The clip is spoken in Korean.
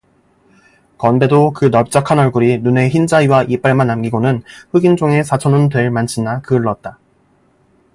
건배도 그 넓적한 얼굴이 눈의 흰자위와 이빨만 남기고는 흑인종의 사촌은 될 만치나 그을렀다.